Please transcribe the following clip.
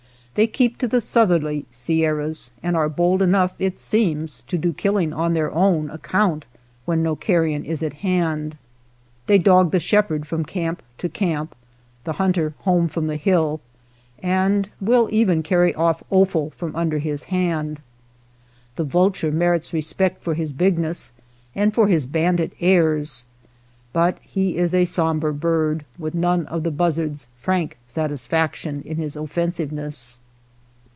They keep to the southerly Sierras, and are bold enough, it seems, to do killing on their own account when no carrion is at hand. They dog the shepherd from camp to camp, the hunter home from the hill, and will even carry away offal from under his hand. The vulture merits respect for his big ness and for his bandit airs, but he is a sombre bird, with none of the buzzard's frank satisfaction in his offensiveness.